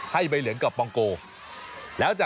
ให้ใบเหลืองกับโฟลองซิราปวงโก